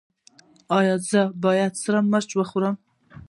ایا زه باید سره مرچ وخورم؟